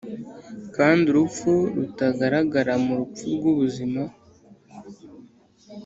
kandi urupfu rutagaragara mu rupfu rwubuzima.